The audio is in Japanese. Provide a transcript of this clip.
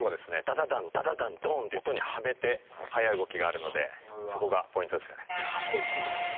ダダダンダダダンドンって音にハメて速い動きがあるのでそこがポイントですかね。